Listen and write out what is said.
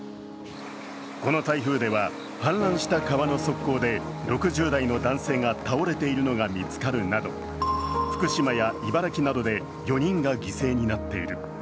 この台風では、氾濫した川の側溝で６０代の男性が倒れているのが見つかるなど福島や茨城などで４人が犠牲になっている。